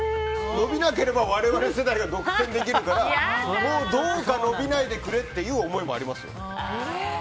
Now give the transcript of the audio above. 伸びなければ我々世代が得点できるからどうか伸びないでくれっていう思いもありますよ。